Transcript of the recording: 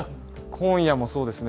今夜もそうですね